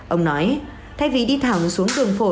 ông nói thay vì đi thẳng xuống tường phố